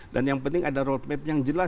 dan yang penting ada road map yang jelas